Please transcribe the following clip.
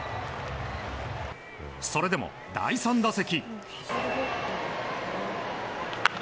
それでも第３打席。